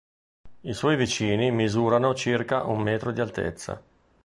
I suoi vicini misurano circa un metro di altezza.